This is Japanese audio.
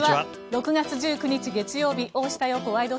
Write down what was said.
６月１９日、月曜日「大下容子ワイド！